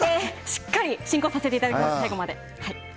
しっかり進行させていただきます最後まで。